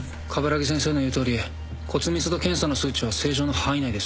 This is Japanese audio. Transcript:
鏑木先生の言うとおり骨密度検査の数値は正常の範囲内です。